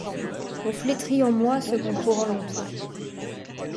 On flétrit en moi ce qu’on couronne en toi.